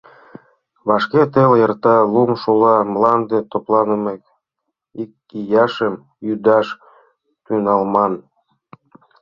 Вашке теле эрта, лум шула, мланде топланымек, икияшым ӱдаш тӱҥалман.